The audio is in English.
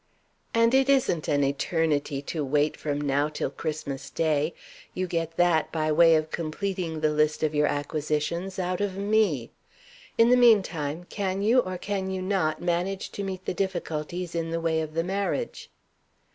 "And it isn't an eternity to wait from now till Christmas day. You get that, by way of completing the list of your acquisitions, out of me. In the mean time, can you, or can you not, manage to meet the difficulties in the way of the marriage?"